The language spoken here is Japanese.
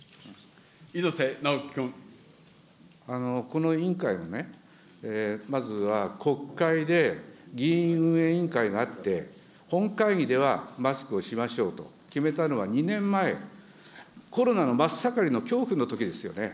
この委員会はね、まずは国会で議院運営委員会があって、本会議ではマスクをしましょうと、決めたのは２年前、コロナの真っ盛りの恐怖のときですよね。